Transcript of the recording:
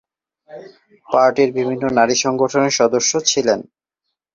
পার্টির বিভিন্ন নারী সংগঠনের সদস্য ছিলেন।